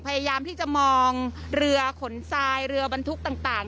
พยายามที่จะมองเรือขนทรายเรือบรรทุกต่าง